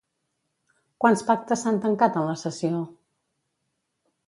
Quants pactes s'han tancat en la sessió?